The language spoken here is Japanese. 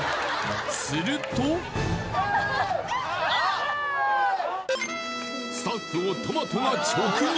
するとスタッフをトマトが直撃！